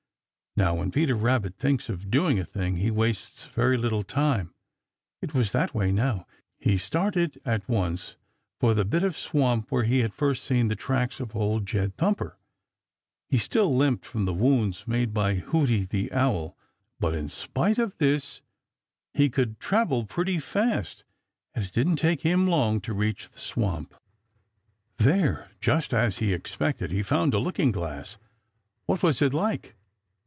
Now when Peter Rabbit thinks of doing a thing, he wastes very little time. It was that way now. He started at once for the bit of swamp where he had first seen the tracks of Old Jed Thumper. He still limped from the wounds made by Hooty the Owl. But in spite of this he could travel pretty fast, and it didn't take him long to reach the swamp. There, just as he expected, he found a looking glass. What was it like?